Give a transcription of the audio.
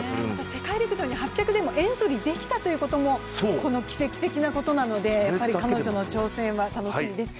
世界陸上に８００でもエントリーできたということだけでもこの奇跡的なことなのでやっぱり彼女の挑戦は楽しみです。